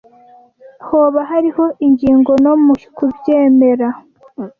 Hoba hariho ingingo no mu kubyemera